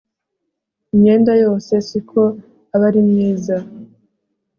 Imyenda yose siko aba ari myiza